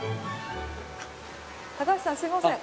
高橋さんすいません。